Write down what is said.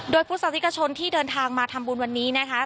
โดยพุทธศาสนิกชนที่เดินทางมาทำบุญวันนี้นะคะ